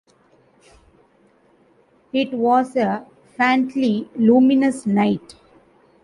It was a faintly luminous night.